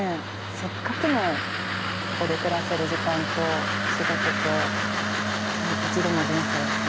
せっかくのここで暮らせる時間と仕事と一度の人生なので。